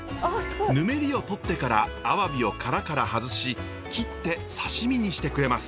ぬめりをとってからアワビを殻から外し切って刺身にしてくれます。